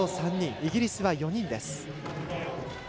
イギリスは４人です。